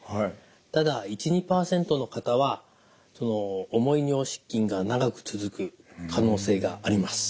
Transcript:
ただ１２％の方は重い尿失禁が長く続く可能性があります。